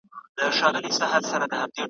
کرۍ شپه د خُم له څنګه سر پر سر یې نوشومه `